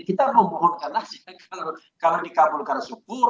kita memohonkan saja kalau dikabulkan syukur